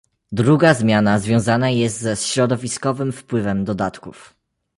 Druga zmiana związana jest ze środowiskowym wpływem dodatków